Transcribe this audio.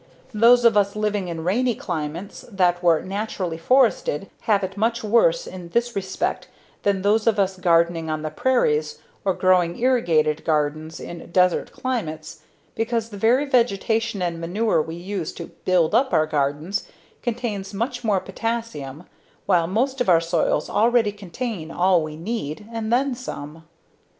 Those of us living in rainy climates that were naturally forested have it much worse in this respect than those of us gardening on the prairies or growing irrigated gardens in desert climates because the very vegetation and manure we use to "build up" our gardens contains much more potassium while most of our soils already contain all we need and then some.